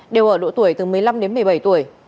đều ở độ tuổi từ một mươi năm đến một mươi bảy tuổi